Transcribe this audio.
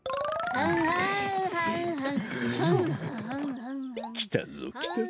はんはんはんはんはん。